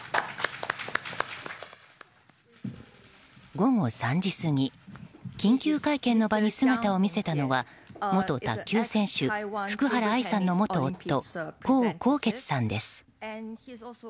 午後３時過ぎ緊急会見の場に姿を見せたのは元卓球選手、福原愛さんの元夫江宏傑さんです。